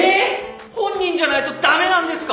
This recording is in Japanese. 本人じゃないと駄目なんですか！？